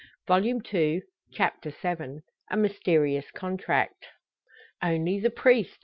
Volume Two, Chapter VII. A MYSTERIOUS CONTRACT. "Only the priest!"